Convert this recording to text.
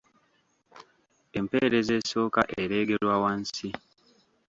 empeerezi esooka ereegerwa wansi